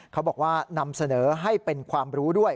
เขาบอกว่านำเสนอให้เป็นความรู้ด้วย